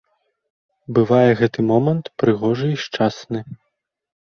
Бывае гэты момант прыгожы і шчасны.